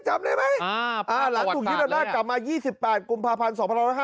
จำได้ไหมอ่าหลังถูกคิดออกมา๒๘กุมภาพันธ์๒๑๕๑